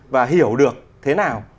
và hiểu được thế nào